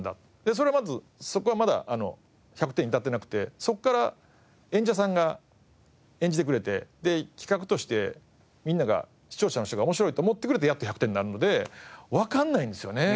それはまずそこはまだ１００点に至ってなくてそこから演者さんが演じてくれてで企画としてみんなが視聴者の人が面白いと思ってくれてやっと１００点になるのでわからないんですよね。